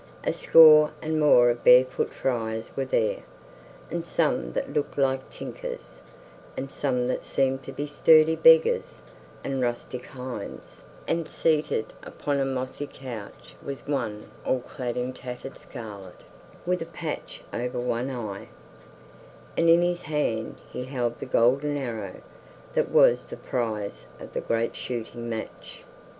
A score and more of barefoot friars were there, and some that looked like tinkers, and some that seemed to be sturdy beggars and rustic hinds; and seated upon a mossy couch was one all clad in tattered scarlet, with a patch over one eye; and in his hand he held the golden arrow that was the prize of the great shooting match.